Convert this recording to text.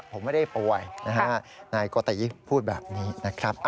ผมไม่ได้ป่วยนะฮะนายโกติพูดแบบนี้นะครับ